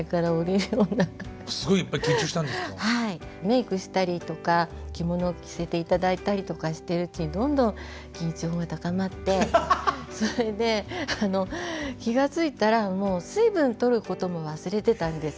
メークしたりとか着物を着せて頂いたりとかしてるうちにどんどん緊張が高まってそれであの気が付いたらもう水分とることも忘れてたんですよ。